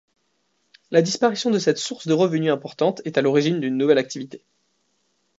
La disparition de cette source de revenus importante est à l’origine d’une nouvelle activité.